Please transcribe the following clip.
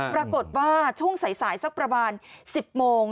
ปรากฏว่าช่วงสายสักประมาณ๑๐โมง